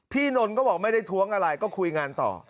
นนท์ก็บอกไม่ได้ท้วงอะไรก็คุยงานต่อ